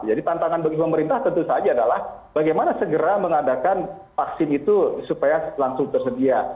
jadi tantangan bagi semua pemerintah tentu saja adalah bagaimana segera mengadakan vaksin itu supaya langsung tersedia